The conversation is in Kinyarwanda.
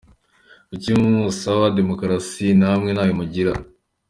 Kuki musaba demokarasi namwe ntayo mugira ?